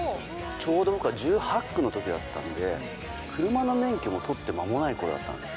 ちょうど僕が１８、９のときだったんで、車の免許を取って間もないころだったんです。